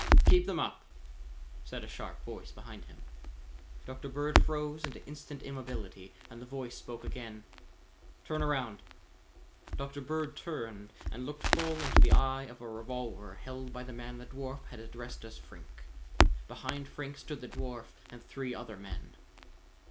"Keep them up!" said a sharp voice behind him. Dr. Bird froze into instant immobility and the voice spoke again. "Turn around!" Dr. Bird turned and looked full into the eye of a revolver held by the man the dwarf had addressed as Frink. Behind Frink stood the dwarf and three other men.